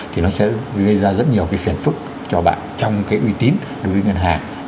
thì nó sẽ gây ra rất nhiều cái phiền phức cho bạn trong cái uy tín đối với ngân hàng